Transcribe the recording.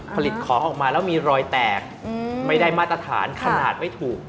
ผลิตของออกมาแล้วมีรอยแตกไม่ได้มาตรฐานขนาดไม่ถูก